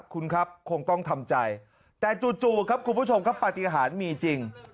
คุณครับคงต้องทำใจแต่จู่ครับคุณผู้ชมครับปฏิหารมีจริง